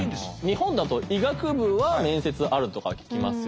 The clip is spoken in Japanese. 日本だと医学部は面接あるとかは聞きますよね。